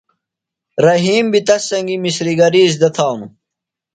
رحیم بیۡ تس سنگیۡ مِسریۡ گریۡ ازدہ تھانوۡ۔